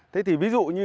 thế thì ví dụ như